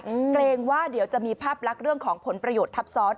เกรงว่าเดี๋ยวจะมีภาพลักษณ์เรื่องของผลประโยชน์ทับซ้อน